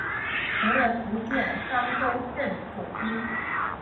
曾任福建漳州镇总兵。